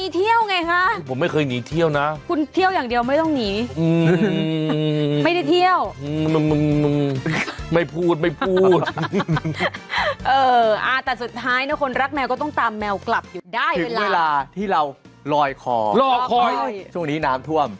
จะเที่ยวอย่างเดียวไม่ต้องหนีไม่ได้เที่ยวไม่พูดไม่พูดแต่สุดท้ายนะคนรักแมวก็ต้องตามแมวกลับได้เวลาที่เราลอยคอลอยคอยช่วงนี้น้ำท่วมครับ